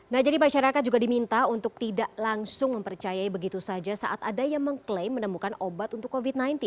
nah jadi masyarakat juga diminta untuk tidak langsung mempercayai begitu saja saat ada yang mengklaim menemukan obat untuk covid sembilan belas